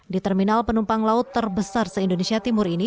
di terminal penumpang laut terbesar seindonesia timur indonesia